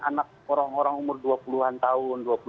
anak orang orang umur dua puluh an tahun